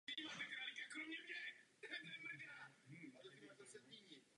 Na hlavě má klobouk v barvách podobných černé.